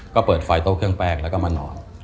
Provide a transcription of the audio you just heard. ก็เปิดไฟโต๊ะเครื่องแป้งงั้นเข้ามาดูเนิน